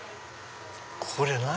これ何？